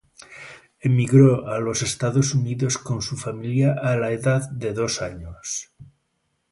Emigró a los Estados Unidos con su familia a la edad de dos años.